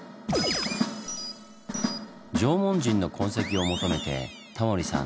縄文人の痕跡を求めてタモリさん